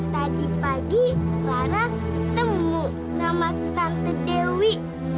tadi pagi lara ketemu sama tante dewi